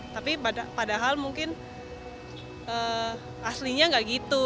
tapi padahal mungkin aslinya nggak gitu